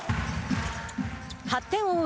８点を追う